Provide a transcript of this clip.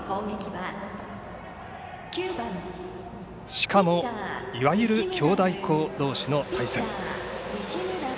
しかもいわゆる兄弟校どうしの対戦。